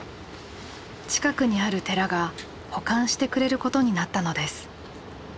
近くにある寺が保管してくれることになったのです。